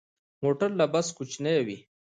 موټر له بس کوچنی وي.